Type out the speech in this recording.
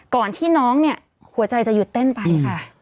ก่อนที่น้องเนี่ยหัวใจจะหยุดเต้นไปค่ะ